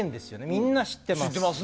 みんな知ってます。